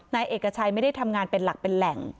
นายเอกชัยไม่ได้ทำงานเป็นหลักเป็นแหล่ง